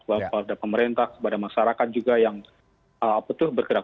pada pemerintah pada masyarakat juga yang betul bergerak